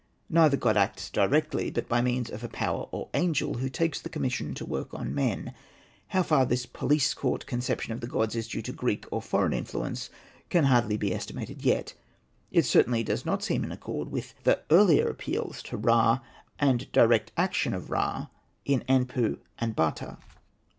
Neither god acts directly, but by means of a power or angel, who takes the commission to work on men. How far this police court concep tion of the gods is due to Greek or foreign influence can hardly be estimated yet. It certainly does not seem in accord with the earlier appeals to Ra, and direct action of Ra, in " Anpu and Bata."